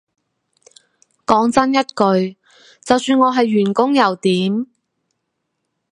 講真一句就算我係員工又點